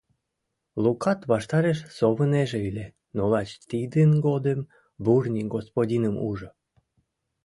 Лукат ваштареш совынеже ыле, но лач тидын годым Бурни господиным ужо.